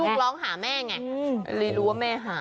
ลูกล้องหาแม่ไงดีรู้ว่าแม่หา